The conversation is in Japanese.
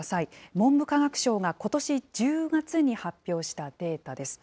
文部科学省がことし１０月に発表したデータです。